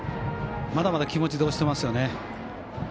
まだまだ気持ちで押してますよね。